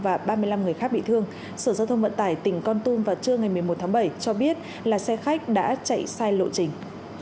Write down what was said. và ba mươi năm người khác bị thương sở giao thông vận tải tỉnh con tum vào trưa ngày một mươi một tháng bảy cho biết là xe khách đã chạy sai lộ trình